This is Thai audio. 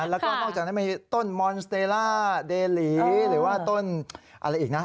แล้วก็นอกจากนั้นมีต้นมอนสเตรล่าเดหลีหรือว่าต้นอะไรอีกนะ